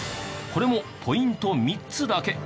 これもポイント３つだけ。